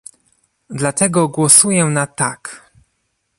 Dlatego głosuję na "tak"